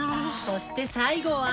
そして最後は。